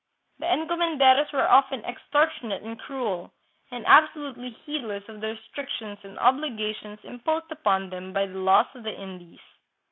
The encomenderos were often extortionate and cruel, and absolutely heedless of the restrictions and obligations imposed upon them by the Laws of the Indies.